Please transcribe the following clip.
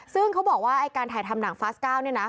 ซึ่งเขาบอกว่าไอ้การถ่ายทำหนังฟาสก้าเนี่ยนะ